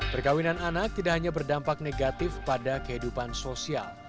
perkawinan anak tidak hanya berdampak negatif pada kehidupan sosial